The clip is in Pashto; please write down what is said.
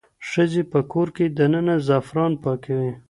ښځې په کور دننه زعفران پاکوي.